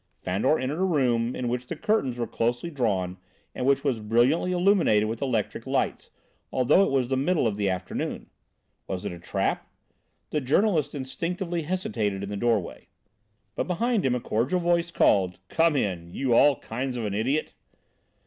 Fandor entered a room in which the curtains were closely drawn and which was brilliantly illuminated with electric lights, although it was the middle of the afternoon. Was it a trap? The journalist instinctively hesitated in the doorway. But behind him a cordial voice called: "Come in, you all kinds of an idiot!"